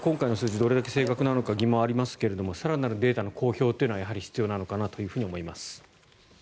どれだけ正確なのか疑問はありますが更なるデータの公表というのは必要なのかなと思います。